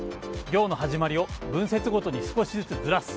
行の始まりを文節ごとに少しずつずらす。